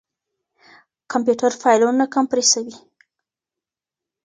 کمپيوټر فايلونه کمپريسوي.